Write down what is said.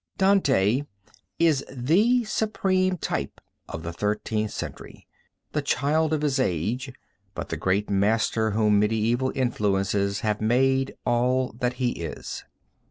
Dante is the supreme type of the Thirteenth Century, the child of his age, but the great master whom medieval influences have made all that he is.